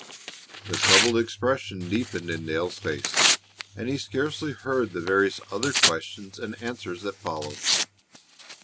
The troubled expression deepened in Dale's face, and he scarcely heard the various other questions and answers that followed.